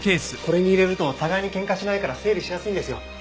これに入れると互いに喧嘩しないから整理しやすいんですよ。